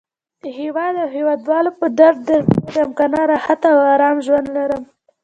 د هیواد او هیواد والو په درد دردېږم. کنه راحته او آرام ژوند لرم.